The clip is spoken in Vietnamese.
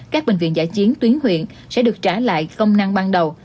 các bệnh viện giã chiến tuyến huyện sẽ được trả lại công năng ban đầu